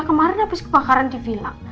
kemarin abis kebakaran di vila